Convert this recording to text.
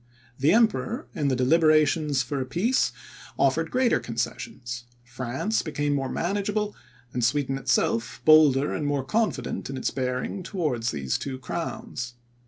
The Emperor, in the deliberations for a peace, offered greater concessions; France became more manageable; and Sweden itself bolder and more confident in its bearing towards these two crowns.